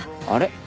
あれ？